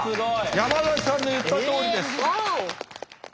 山崎さんの言ったとおりです。